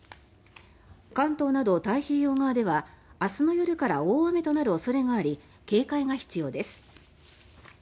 関東など太平洋側では明日の夜から大雨となる恐れがあり警戒が必要です。